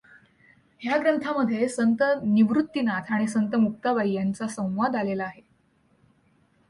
ह्या ग्रंथामध्ये संत निवृत्तीनाथ आणि संत मुक्ताबाई ह्यांचा संवाद आलेला आहे.